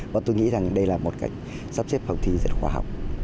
và tôi nghĩ rằng đây là một cách sắp xếp phòng thi rất khoa học